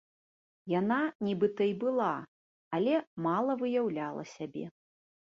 Яна нібыта і была, але мала выяўляла сябе.